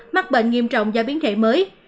mắc bệnh nghiêm trọng do biến thể mới